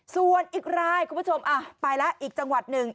ส่วนอีกรายคุณผู้ชมไปแล้วอีกจังหวัดหนึ่ง